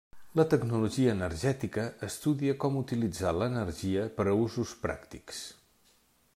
La tecnologia energètica estudia com utilitzar l'energia per a usos pràctics.